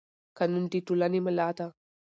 قانون د ټولنې ملا ده